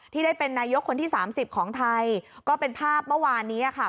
ได้เป็นนายกคนที่๓๐ของไทยก็เป็นภาพเมื่อวานนี้ค่ะ